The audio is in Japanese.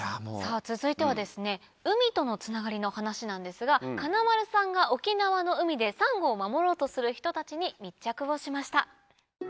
続いては海とのつながりの話なんですが金丸さんが沖縄の海でサンゴを守ろうとする人たちに密着をしました。